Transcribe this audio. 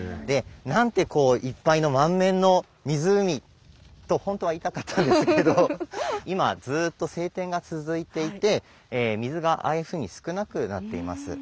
でなんてこういっぱいの満面の湖と本当は言いたかったんですけど今ずっと晴天が続いていて水がああいうふうに少なくなっています。